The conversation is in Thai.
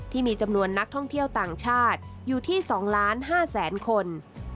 ที่มีจำนวนนักท่องเที่ยวต่างชาติอยู่ที่๒๕๐๐๐คน